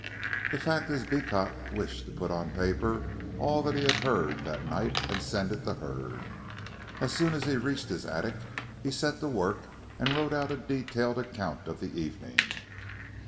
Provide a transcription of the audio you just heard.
The fact is Beecot wished to put on paper all that he had heard that night and send it to Hurd. As soon as he reached his attic he set to work and wrote out a detailed account of the evening.